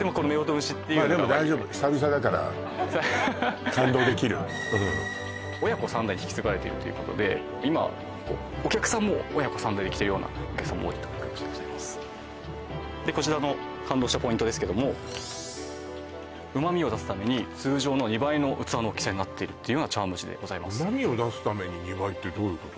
蒸しっていうのがでも大丈夫久々だから感動できるうん親子３代引き継がれてるっていうことで今お客さんも親子３代で来てるようなお客さんも多いという形でございますでこちらの感動したポイントですけども旨味を出すために通常の２倍の器の大きさになってるっていうような茶碗蒸しでございます旨味を出すために２倍ってどういうこと？